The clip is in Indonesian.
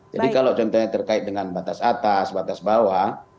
jadi kalau contohnya terkait dengan batas atas batas bawah